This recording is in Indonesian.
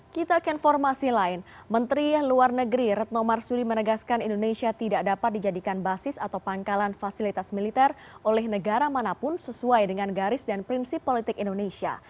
kita ke informasi lain menteri luar negeri retno marsudi menegaskan indonesia tidak dapat dijadikan basis atau pangkalan fasilitas militer oleh negara manapun sesuai dengan garis dan prinsip politik indonesia